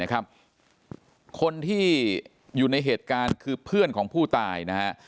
คนที่อยู่ในเหตุการณ์คือเพื่อนของผู้ตายนะฮะ